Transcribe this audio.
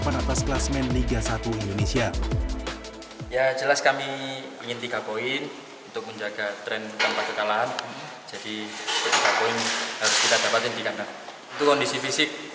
dan kita akan sedikit sedikit bersiap untuk mulai